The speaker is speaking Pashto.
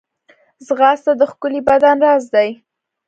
ځغاسته د ښکلي بدن راز دی